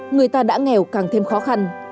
người ta đã nghèo càng thêm khó khăn